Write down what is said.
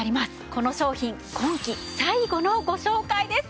この商品今季最後のご紹介です。